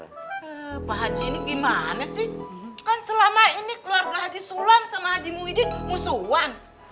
pak haji ini gimana sih kan selama ini keluarga haji sulam sama haji muhyiddin musuhan